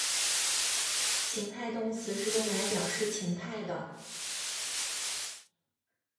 情态动词是用来表示情态的。